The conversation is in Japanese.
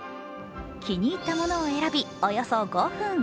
気に入ったものを選び、およそ５分。